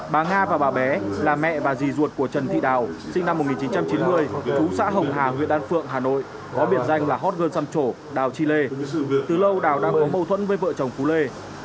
bà nga và bà bé là mẹ và dì ruột của trần thị đào sinh năm một nghìn chín trăm chín mươi trú xã hồng hà nguyễn đan phượng hà nội có biển danh là hot girl xăm chổ đào chi lê từ lâu đào đang có mâu thuẫn với vợ chồng phú lê